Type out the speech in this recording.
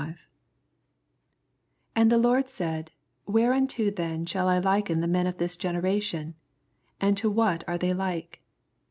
81 And the Lord Bald, Whereunto then Bhall I liken the men of this ^Deration f and to what are they like?